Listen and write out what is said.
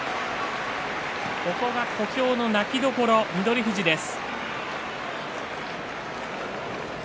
ここは小兵の泣きどころ翠富士です。